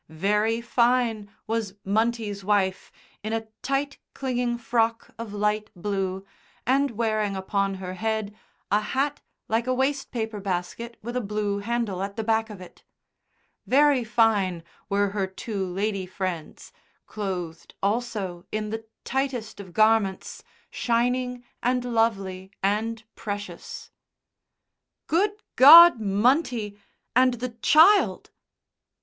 Very fine was Munty's wife in a tight clinging frock of light blue, and wearing upon her head a hat like a waste paper basket with a blue handle at the back of it; very fine were her two lady friends, clothed also in the tightest of garments, shining and lovely and precious. "Good God, Munty and the child!"